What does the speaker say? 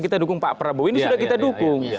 kita dukung pak prabowo ini sudah kita dukung